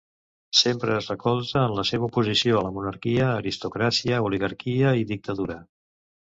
Sempre es recolza en la seva oposició a la monarquia, aristocràcia, oligarquia i dictadura.